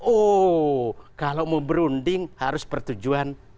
oh kalau mau berunding harus pertujuan